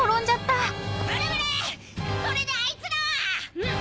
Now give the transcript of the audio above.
それであいつらを！